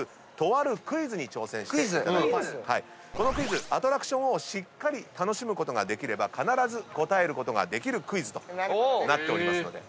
このクイズアトラクションをしっかり楽しむことができれば必ず答えることができるクイズとなっておりますので。